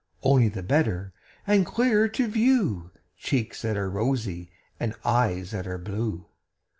Only the better and clearer to view Cheeks that are rosy and eyes that are blue.